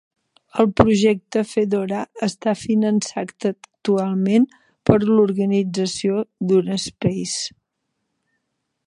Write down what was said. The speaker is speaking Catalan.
El Projecte Fedora està finançat actualment per l'organització DuraSpace.